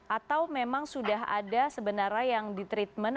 atau memang sudah ada sebenarnya yang di treatment